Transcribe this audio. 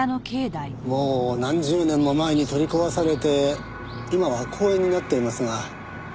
もう何十年も前に取り壊されて今は公園になっていますが。